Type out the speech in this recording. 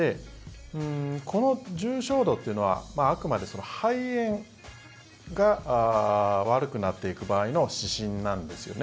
この重症度というのはあくまで肺炎が悪くなっていく場合の指針なんですよね。